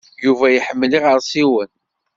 Yuba iḥemmel iɣersiwen.